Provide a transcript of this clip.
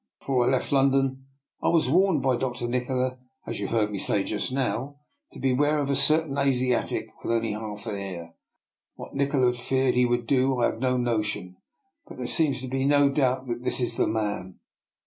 " Be fore I left London I was warned by Dr. Ni kola, as you heard me say just now, to beware of a certain Asiatic with only half an ear. What Nikola feared he would do I have no notion, but there seems to be no doubt that this is the man."